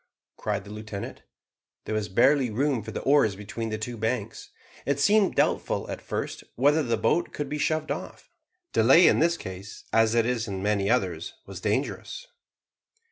cried the lieutenant. There was barely room for the oars between the two banks. It seemed doubtful, at first, whether the boat could be shoved off. Delay in this case, as it is in many others, was dangerous.